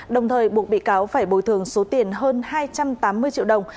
đồng thời buộc bị cáo phải bồi thường số tiền hơn hai trăm tám mươi triệu đồng